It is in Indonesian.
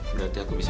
danldo punya edukasi